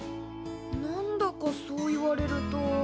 何だかそう言われると。